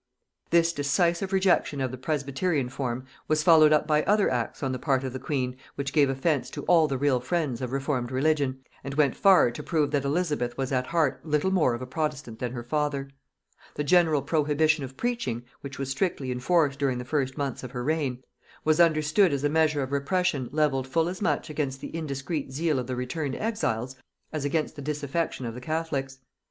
This decisive rejection of the presbyterian form was followed up by other acts on the part of the queen which gave offence to all the real friends of reformed religion, and went far to prove that Elizabeth was at heart little more of a protestant than her father. The general prohibition of preaching, which was strictly enforced during the first months of her reign, was understood as a measure of repression levelled full as much against the indiscreet zeal of the returned exiles, as against the disaffection of the catholics.